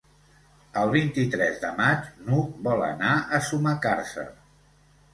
El vint-i-tres de maig n'Hug vol anar a Sumacàrcer.